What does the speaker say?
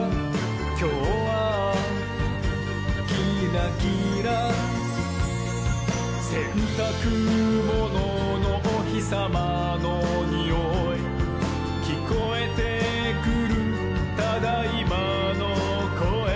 「きょうはキラキラ」「せんたくもののおひさまのにおい」「きこえてくる『ただいま』のこえ」